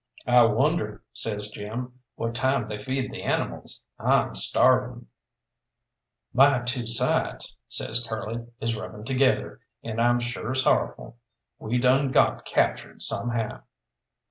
"I wonder," says Jim, "what time they feed the animals? I'm starving." "My two sides," says Curly, "is rubbing together, and I'm sure sorrowful. We done got captured somehow."